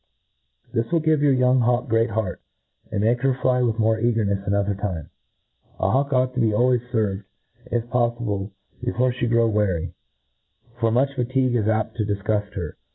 This will giye your young hawk great heart, and make her fly with more eagernefs another time. , A hawk ought to be always ferved, if poflible, before fhe grow weary ; for m^ich fatigue is apt to difgufl her.